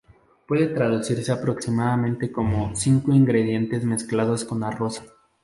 Puede traducirse aproximadamente como ‘cinco ingredientes mezclados con arroz’.